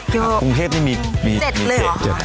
กรุงเทพนี่มี๗เลยเหรอครับ